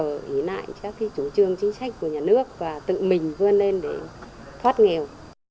và ý lại các chủ trương chính sách của nhà nước và tự mình vươn lên để thoát nghèo